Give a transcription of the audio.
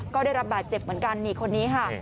ก็ได้รับบาดเจ็บเหมือนกันนี่คนนี้ค่ะ